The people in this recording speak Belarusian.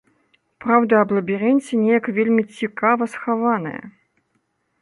Праўда аб лабірынце неяк вельмі цікава схаваная.